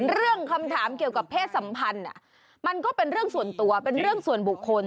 เรื่องคำถามเกี่ยวกับเพศสัมพันธ์มันก็เป็นเรื่องส่วนตัวเป็นเรื่องส่วนบุคคล